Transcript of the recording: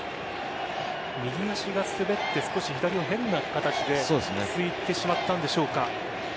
右足が滑って左を変な形で着いてしまったんでしょうか。